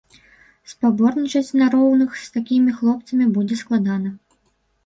Спаборнічаць на роўных з такімі хлопцамі будзе складана.